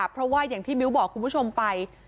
เพราะว่าอย่างที่มิ้วบอกคุณผู้ชมไป